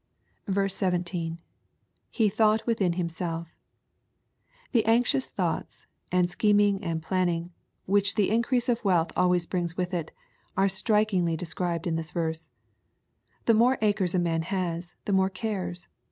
17. — [He thought wiOiin himself^ The anxious thoughts, and schem ing and planning, which increase of wealth always brings with it, are strikingly described in this verse. The more acres a man has, the more cares.